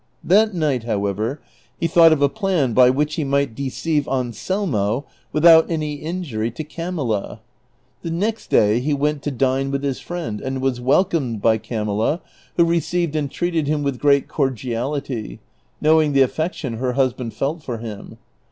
That night, however, he thought of a plan by which he might deceive Anselmo without any injury to Camilla. The next day he went to dine with his friend, and was welcomed by Camilla, who received and treated CHAPTER XXXIII. 283 him with great cordiality, linowing the aft'ection her husband felt for him.